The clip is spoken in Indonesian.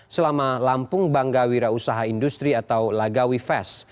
selama lampung bangga wira usaha industri atau lagawi fes